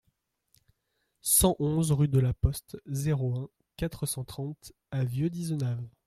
cent onze rue de la Poste, zéro un, quatre cent trente à Vieu-d'Izenave